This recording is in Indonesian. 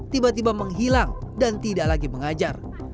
tiba tiba menghilang dan tidak lagi mengajar